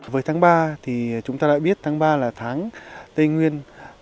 với tháng ba thì chúng ta đã biết tháng ba là tháng tây nguyên